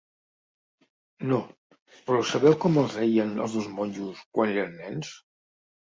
No, però sabeu com els deien als dos monjos, quan eren nens?